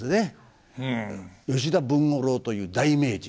吉田文五郎という大名人。